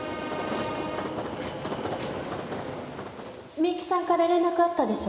ミユキさんから連絡あったでしょ？